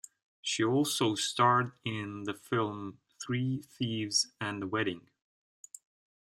She also starred in the film, "Three Thieves and a Wedding".